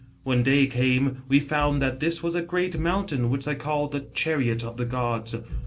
When day came, we found that this was a great mountain which they call the Chariot of the gods.